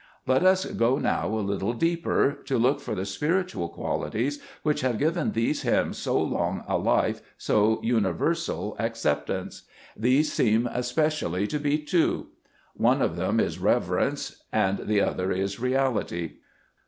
Let us go now a little deeper, to look for the spiritual qualities which have given these hymns so long a life, so universal acceptance. These seem especially to be two. One of them is reverence, and the other is reality.